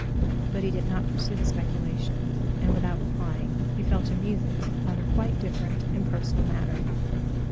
But he did not pursue the speculation, and without replying, he fell to musing on a quite different and personal matter.